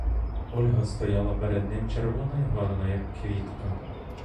Ольга стояла перед ним червона й гарна, як квітка.